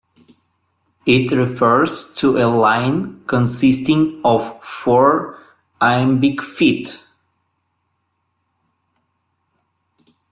It refers to a line consisting of four iambic feet.